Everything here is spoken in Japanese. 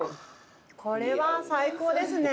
これは最高ですね。